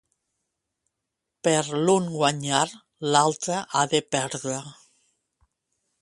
Per l'un guanyar, l'altre ha de perdre.